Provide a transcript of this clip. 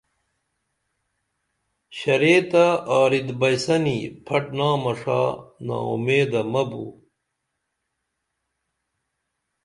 شریتہ آرِت بئیسنی پھٹ نامہ ݜا نا اُمیدہ مہ بُو